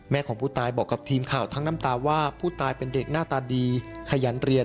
ของผู้ตายบอกกับทีมข่าวทั้งน้ำตาว่าผู้ตายเป็นเด็กหน้าตาดีขยันเรียน